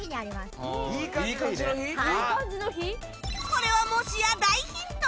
これはもしや大ヒント？